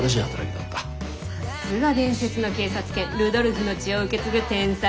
さすが伝説の警察犬ルドルフの血を受け継ぐ天才警察犬ね！